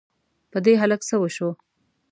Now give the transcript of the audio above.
په دې هلک څه وشوو؟!